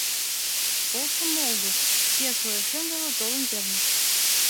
Полшымо огыл, шке вуешем веле толын перныш.